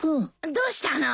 どうしたの？